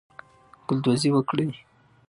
ګلدوزی وکړئ.